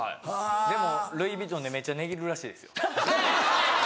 でもルイ・ヴィトンでめっちゃ値切るらしいですよ。